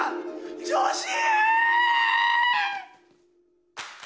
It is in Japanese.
女子！